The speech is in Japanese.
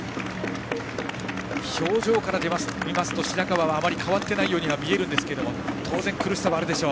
表情から見ますと白川はあまり変わってないように見えるんですけれども当然、苦しさはあるでしょう。